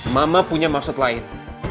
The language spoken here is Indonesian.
mama punya maksud lain